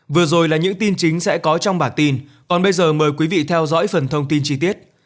vừa rồi là những tin chính sẽ có trong bản tin còn bây giờ mời quý vị theo dõi phần thông tin chi tiết